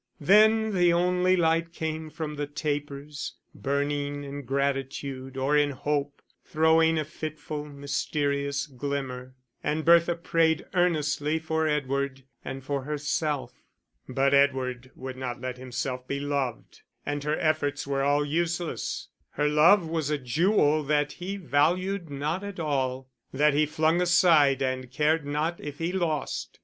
Then the only light came from the tapers, burning in gratitude or in hope, throwing a fitful, mysterious glimmer; and Bertha prayed earnestly for Edward and for herself. But Edward would not let himself be loved, and her efforts all were useless. Her love was a jewel that he valued not at all, that he flung aside and cared not if he lost.